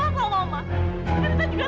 saya juga menyayangi myra